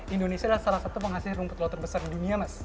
indonesia adalah salah satu penghasil rumput laut terbesar di dunia mas